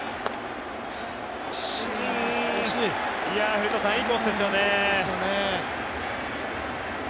古田さん、いいコースですよね。